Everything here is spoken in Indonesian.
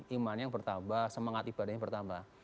iman yang bertambah semangat ibadah yang bertambah